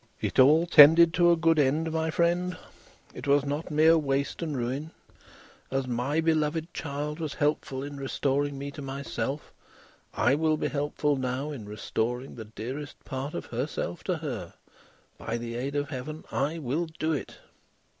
"It all tended to a good end, my friend; it was not mere waste and ruin. As my beloved child was helpful in restoring me to myself, I will be helpful now in restoring the dearest part of herself to her; by the aid of Heaven I will do it!"